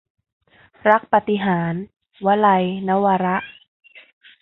รักปาฏิหาริย์ - วลัย นวาระ